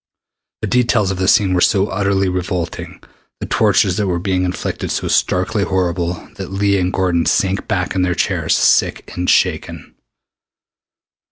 The details of the scene were so utterly revolting, the tortures that were being inflicted so starkly horrible, that Leah and Gordon sank back in their chairs sick and shaken.